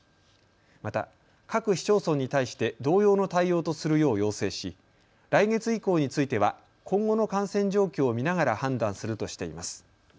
また各市町村に対して同様の対応とするよう要請し来月以降については今後の感染状況を見ながら判断するとしています。